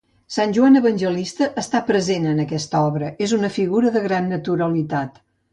Sant Joan Evangelista està present en aquesta obra, és una figura de gran naturalitat.